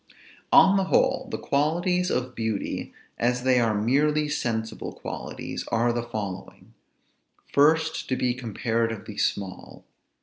On the whole, the qualities of beauty, as they are merely sensible qualities, are the following: First, to be comparatively small.